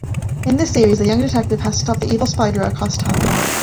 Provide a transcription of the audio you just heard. In this series, the young detective has to stop the evil Spydra across time.